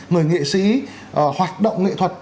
người nghệ sĩ hoạt động nghệ thuật